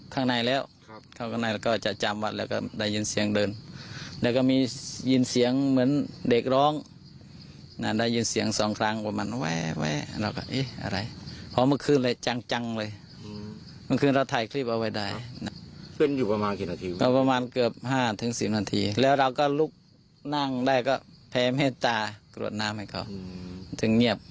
ตากลจาขวดน้ำให้เขาถึงเข้าเหนียบ